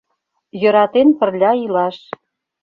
Йӧратен пырля илаш